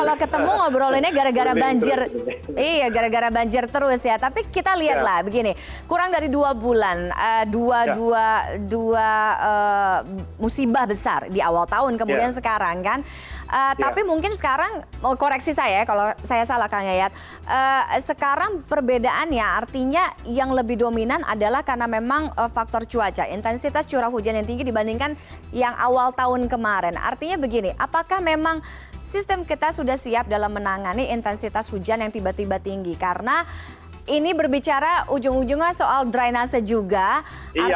sebenarnya drainasenya yang milenial tapi sebenarnya sistem kita masih drainasenya yang kolonial kan